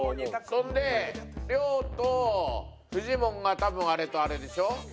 それで亮とフジモンが多分あれとあれでしょ。